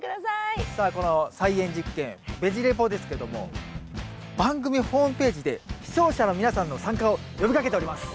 さあこの菜園実験「ベジ・レポ」ですけども番組ホームページで視聴者の皆さんの参加を呼びかけております。